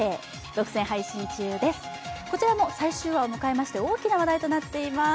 独占配信中です、こちらも最終話を迎えまして大きな話題となっています。